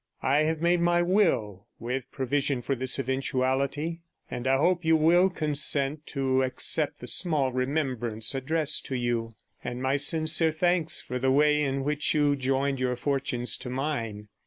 I have made my will with provision for this eventuality, and I hope you will consent to accept the small remembrance addressed to you, and my sincere thanks for the way in which you joined your fortunes to mine.